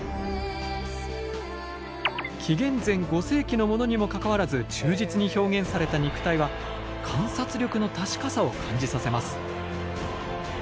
紀元前５世紀のものにもかかわらず忠実に表現された肉体は観察力の確かさを感じさせます。